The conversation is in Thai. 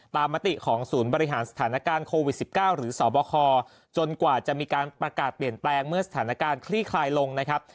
มติของศูนย์บริหารสถานการณ์โควิด๑๙หรือสบคจนกว่าจะมีการประกาศเปลี่ยนแปลงเมื่อสถานการณ์คลี่คลายลงนะครับ